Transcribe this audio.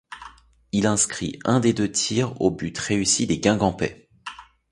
Il inscrit un des deux tirs au but réussis des guingampais.